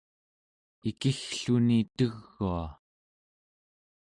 ikiggluni tegua